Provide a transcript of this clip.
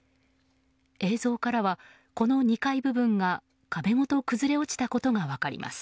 映像からはこの２階部分が壁ごと崩れ落ちたことが分かります。